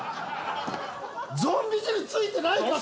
ゾンビ汁ついてないか？